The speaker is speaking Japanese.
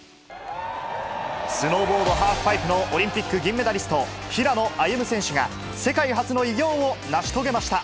スノーボードハーフパイプのオリンピック銀メダリスト、平野歩夢選手が、世界初の偉業を成し遂げました。